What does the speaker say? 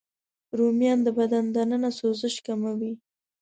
رومیان د بدن دننه سوزش کموي